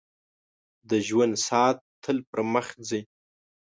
• د ژوند ساعت تل پر مخ ځي.